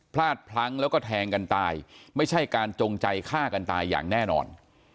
พลาดพลั้งแล้วก็แทงกันตายไม่ใช่การจงใจฆ่ากันตายอย่างแน่นอน